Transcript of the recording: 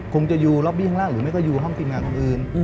คงจะอยู่ล็อบบี้ข้างล่างหรือไม่ก็อยู่ห้องทีมงานคนอื่น